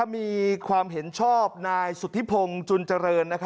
มีความเห็นชอบนายสุธิพงศ์จุนเจริญ